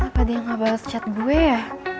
kenapa dia gak bales chat gue ya